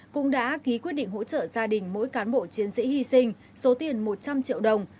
cũng đã ký quyết định hỗ trợ gia đình mỗi cán bộ chiến sĩ hy sinh số tiền một trăm linh triệu đồng